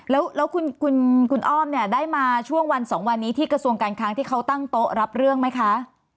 แล้วคุณอ้อมเนี่ยได้มาช่วงวัน๒วันนี้ที่กระทรวงการค้างที่เขาตั้งโต๊ะรับเรื่องไหมคะ